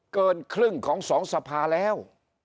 เกินครึ่งของสองสภาแล้ว